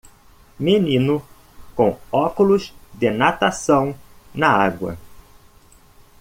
Menino com óculos de natação na água.